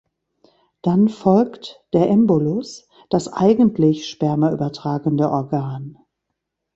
Dann folgt der "Embolus", das eigentliche Sperma übertragende Organ.